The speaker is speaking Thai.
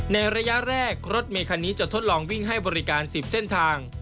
ในระยะแรกรถเมคันนี้จะทดลองวิ่งให้บริการ๑๐เส้นทาง